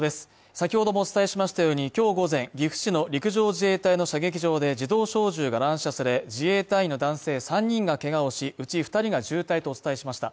先ほどもお伝えしましたように今日午前岐阜市の陸上自衛隊の射撃場で自動小銃が乱射され自衛隊の男性３人がけがをし、うち２人が重体とお伝えしました。